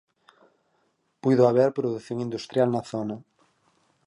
Puido haber produción industrial na zona.